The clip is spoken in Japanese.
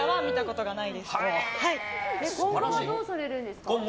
今後はどうされるんですか？